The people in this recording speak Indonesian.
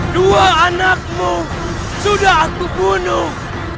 dua anakmu sudah aku bunuh